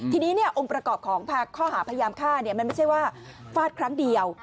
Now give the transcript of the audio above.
ทีนี้องค์ประกอบของข้อหาพยายามฆ่ามันไม่ใช่ว่าฟาดครั้งเดียว